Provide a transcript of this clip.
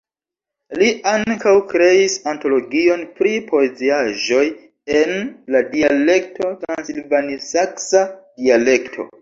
Li ankaŭ kreis antologion pri poeziaĵoj en la dialekto transilvanisaksa dialekto.